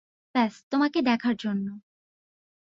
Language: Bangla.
ব্যস তোমাকে দেখার জন্য।